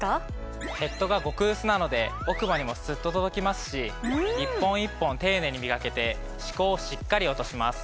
ヘッドが極薄なので奥歯にもスッと届きますし１本１本丁寧にみがけて歯垢をしっかり落とします。